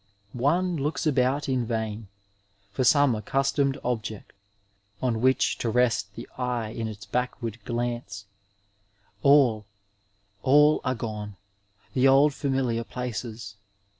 One looks about in vain for some accustomed object on which to rest the eye in its backward glance — all, all are gone, the old familiiir places.